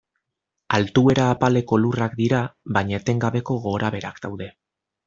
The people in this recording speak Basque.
Altuera apaleko lurrak dira baina etengabeko gorabeherak daude.